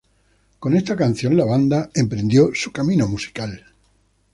Con esta canción, la banda emprendió su camino musical.